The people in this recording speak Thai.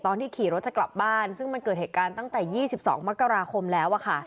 ขี่รถจะกลับบ้านซึ่งมันเกิดเหตุการณ์ตั้งแต่๒๒มกราคมแล้ว